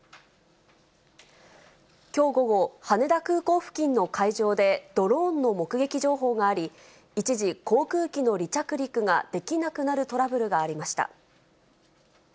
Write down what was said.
きょう午後、羽田空港付近の海上でドローンの目撃情報があり、一時、航空機の離着陸ができなくなるトラブルがありました。